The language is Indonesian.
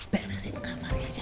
beresin kamarnya aja